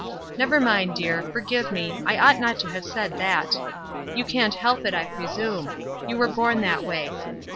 Never mind, dear, forgive me, I ought not to have said that. You can't help it, I presume; you were born that way.